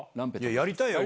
やりたいよ